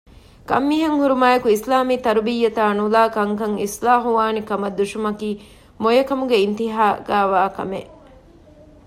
ކަންމިހެންހުރުމާއެކު އިސްލާމީ ތަރުބިޔަތާ ނުލައި ކަންކަން އިޞްލާޙުވާނެކަމަށް ދުށުމަކީ މޮޔަކަމުގެ އިންތިހާގައިވާ ކަމެއް